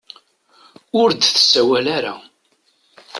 Ur d-tsawala ara.